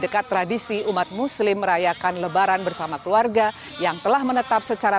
dekat tradisi umat muslim merayakan lebaran bersama keluarga yang telah menetap secara